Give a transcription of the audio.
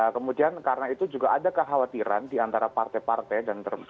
kemudian karena itu juga ada kekhawatiran diantara partai partai